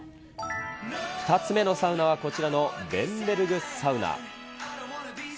２つ目のサウナはこちらのベンベルグサウナ。